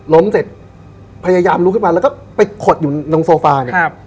ล้มเสร็จพยายามลุกขึ้นมาแล้วก็ไปขดอยู่ตรงโซฟา